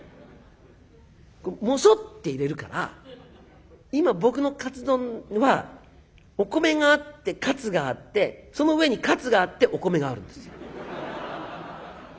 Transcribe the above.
もそって入れるから今僕のカツ丼はお米があってカツがあってその上にカツがあってお米があるんですよ。